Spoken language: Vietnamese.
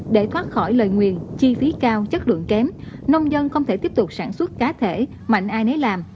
để thoát khỏi lời nguy chi phí cao chất lượng kém nông dân không thể tiếp tục sản xuất cá thể mạnh ai nấy làm